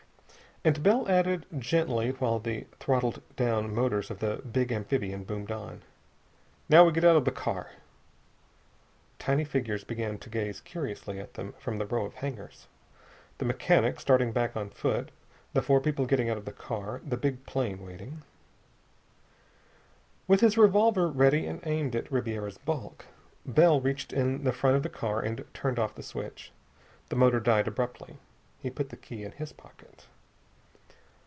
And Bell added, gently, while the throttled down motors of the big amphibian boomed on: "Now get out of the car." Tiny figures began to gaze curiously at them from the row of hangars. The mechanic, starting back on foot, the four people getting out of the car, the big plane waiting.... With his revolver ready and aimed at Ribiera's bulk, Bell reached in the front of the car and turned off the switch. The motor died abruptly. He put the key in his pocket.